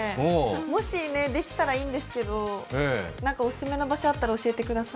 もし、できたらいいんですけど、何かオススメの場所があったら教えてください。